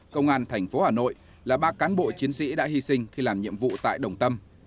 công an thành phố hà nội là ba cán bộ chiến sĩ đã hy sinh khi làm nhiệm vụ tại đồng tâm